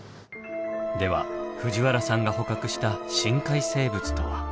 では藤原さんが捕獲した深海生物とは。